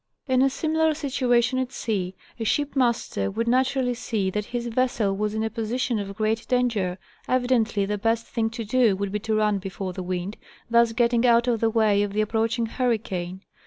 In a similar situation at sea, a shipmaster would naturally see that his vessel was in a position of great danger: evidently the best thing to do would be to run before the wind, thus getting out of the way of the approaching hurri cane.